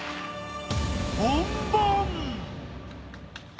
本番！